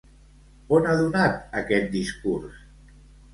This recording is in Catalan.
On ha donat aquest discurs?